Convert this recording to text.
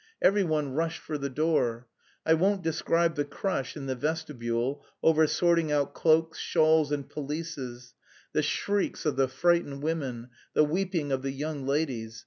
Every one rushed for the door. I won't describe the crush in the vestibule over sorting out cloaks, shawls, and pelisses, the shrieks of the frightened women, the weeping of the young ladies.